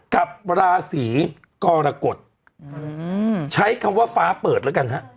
กับราศีกรกฎใช้คำว่าฟ้าเปิดแล้วกันฮะ